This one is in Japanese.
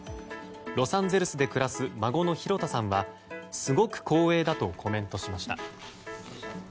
ロサンゼルスで暮らす孫の寛太さんはすごく光栄だとコメントしました。